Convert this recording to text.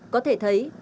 có thể thấy